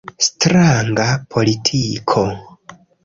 Stranga politiko.